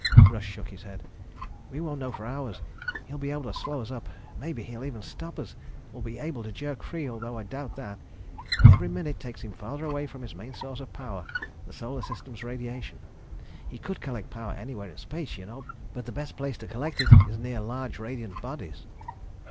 Russ shook his head. "Won't know for hours. He'll be able to slow us up ... maybe he'll even stop us or be able to jerk free, although I doubt that. But every minute takes him farther away from his main source of power, the Solar System's radiation. He could collect power anywhere in space, you know, but the best place to collect it is near large radiant bodies."